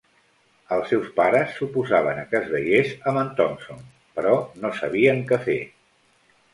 Els seus pares s'oposaven a que es veiés amb en Thompson, però no sabien què fer.